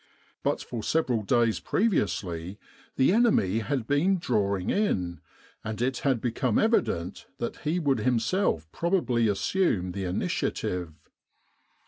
But for several days previously the enemy had been drawing in, and it had become evident that he would himself probably assume the initiative.